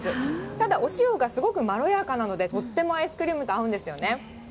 ただお塩がすごくまろやかなので、とってもアイスクリームと合うんですよね。